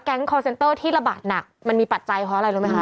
คอร์เซนเตอร์ที่ระบาดหนักมันมีปัจจัยเพราะอะไรรู้ไหมคะ